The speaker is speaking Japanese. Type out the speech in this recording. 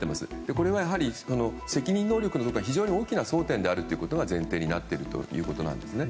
これはやはり、責任能力の有無が非常に大きな争点であるということが前提になっているんですね。